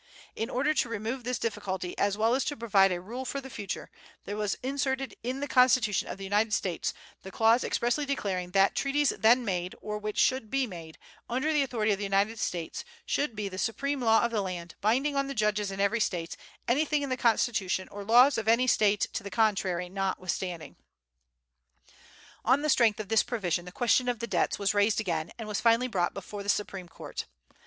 In order to remove this difficulty, as well as to provide a rule for the future, there was inserted in the Constitution of the United States the clause expressly declaring that treaties then made, or which should be made, under the authority of the United States, should be the supreme law of the land, binding on the judges in every State, anything in the Constitution or laws of any State to the contrary notwithstanding. On the strength of this provision, the question of the debts was raised again, and was finally brought before the Supreme Court.